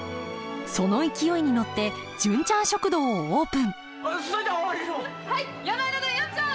その勢いに乗って「純ちゃん食堂」をオープンそいじゃわしも！